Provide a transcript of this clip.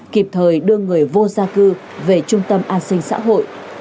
kịp thời đưa người vô gia cư về trung tâm an sinh xã hội